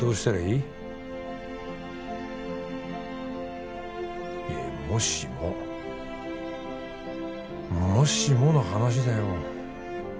いやもしももしもの話だよ